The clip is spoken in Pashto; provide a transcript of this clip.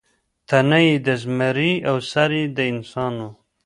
تنه یې د زمري او سر یې د انسان و.